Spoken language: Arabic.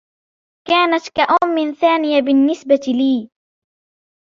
كانت كأم ثانية بالنسبة لي.